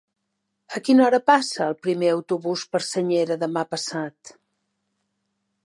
A quina hora passa el primer autobús per Senyera demà passat?